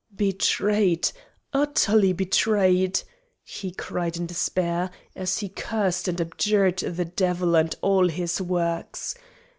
"Betrayed! utterly betrayed!" he cried in despair as he cursed and abjured the Devil and all his works.